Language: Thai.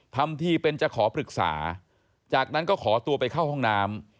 ทำทีเป็นจะขอปรึกษาจากนั้นก็ขอตัวไปเข้าห้องน้ำ